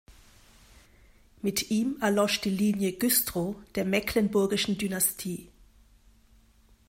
Mit ihm erlosch die Linie Güstrow der mecklenburgischen Dynastie.